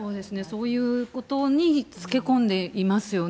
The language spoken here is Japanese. そういうことにつけ込んでいますよね。